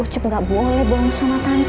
ucup gakboleh bohong sama tante